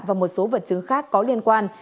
và một số vật chứng khác có liên quan